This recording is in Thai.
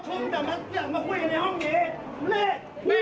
มึงต้องให้กรูมาลาอะไรหมึงเนี้ย